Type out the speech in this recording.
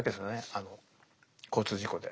あの交通事故で。